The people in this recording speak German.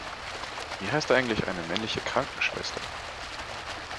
Wie heißt eigentlich eine männliche Krankenschwester?